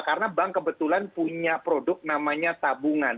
karena bank kebetulan punya produk namanya tabungan